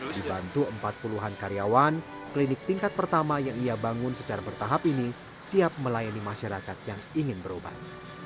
dibantu empat puluh an karyawan klinik tingkat pertama yang ia bangun secara bertahap ini siap melayani masyarakat yang ingin berobat